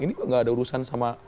ini nggak ada urusan sama